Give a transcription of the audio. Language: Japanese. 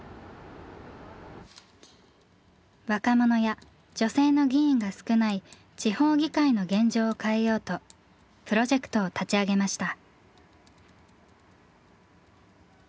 若者や女性の議員が少ない地方議会の現状を変えようとプロジェクトを立ち上げました。